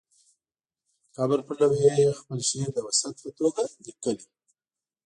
د قبر پر لوحې یې خپل شعر د وصیت په توګه لیکلی.